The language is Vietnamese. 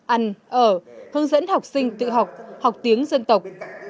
ăn ở hướng dẫn học sinh tự học học tiếng dân tộc